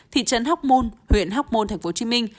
thị trấn hóc môn huyện hóc môn tp hcm